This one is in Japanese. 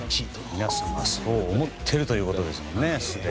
皆さんがそう思っているということですね。